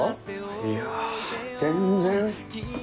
いや全然。